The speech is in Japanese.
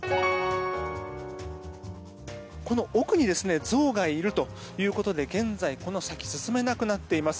この奥にゾウがいるということで現在、この先進めなくなっています。